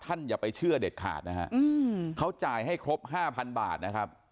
อย่าไปเชื่อเด็ดขาดนะฮะเขาจ่ายให้ครบ๕๐๐บาทนะครับ